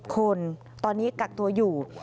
คนตอนนี้กักตัวอยู่